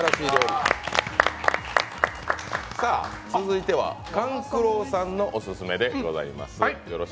続いては勘九郎さんのオススメでございます。